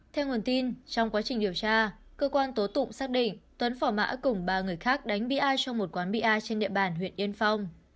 theo nguồn tin trong quá trình điều tra cơ quan tố tụng xác định tuấn phỏ mã cùng ba người khác đánh bia trong một cuộc chiến